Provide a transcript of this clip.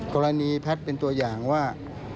แพทย์เป็นตัวอย่างว่า